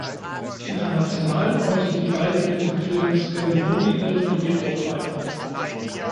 International konnten die beiden mit dem Film Scary Movie ihren Durchbruch feiern.